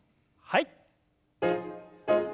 はい。